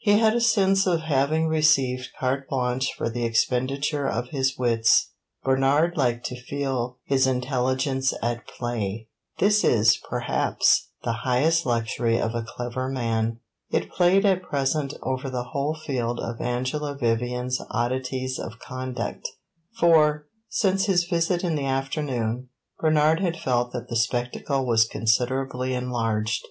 He had a sense of having received carte blanche for the expenditure of his wits. Bernard liked to feel his intelligence at play; this is, perhaps, the highest luxury of a clever man. It played at present over the whole field of Angela Vivian's oddities of conduct for, since his visit in the afternoon, Bernard had felt that the spectacle was considerably enlarged.